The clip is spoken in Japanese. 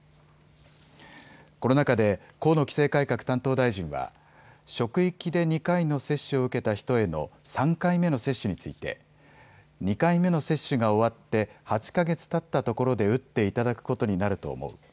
この中で河野規制改革担当大臣は職域で２回の接種を受けた人への３回目の接種について２回目の接種が終わって８か月たったところで打っていただくことになると思う。